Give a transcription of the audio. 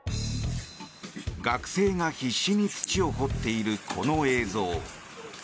学生が必死に土を掘っているこの映像。